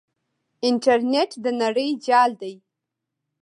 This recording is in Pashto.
انټرنیټ د نړۍ جال دی.